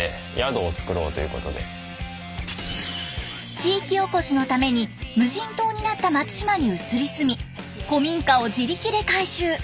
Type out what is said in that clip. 地域おこしのために無人島になった松島に移り住み古民家を自力で改修。